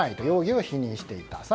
容疑を否認していた。